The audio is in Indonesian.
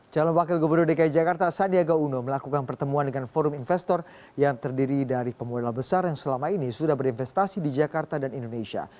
calon wakil gubernur dki jakarta sandiaga uno melakukan pertemuan dengan forum investor yang terdiri dari pemuda besar yang selama ini sudah berinvestasi di jakarta dan indonesia